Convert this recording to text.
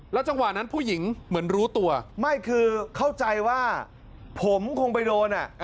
จังหวะนั้นผู้หญิงเหมือนรู้ตัวไม่คือเข้าใจว่าผมคงไปโดน